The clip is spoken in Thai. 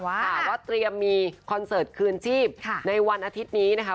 ว่าเตรียมมีคอนเสิร์ตคืนชีพในวันอาทิตย์นี้นะคะ